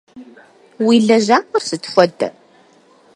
Уи лэжьапӏэр сыт хуэдэ?